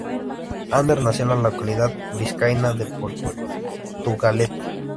Ander nació en la localidad vizcaína de Portugalete.